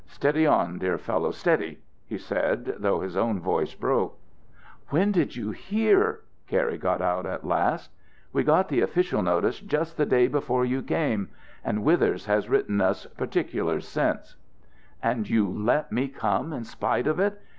"Steady on, dear fellow, steady," he said, though his own voice broke. "When did you hear?" Cary got out at last. "We got the official notice just the day before you came and Withers has written us particulars since." "And you let me come in spite of it!